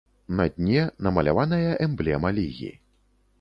На дне намаляваная эмблема лігі.